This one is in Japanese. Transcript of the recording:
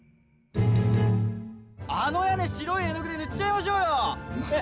あの屋根、白い絵の具で塗っちゃいましょうよ。